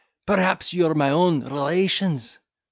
perhaps you are my own relations."